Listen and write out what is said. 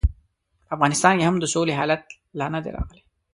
په افغانستان کې هم د سولې حالت لا نه دی راغلی.